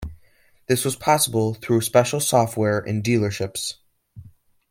This was possible through special software in dealerships.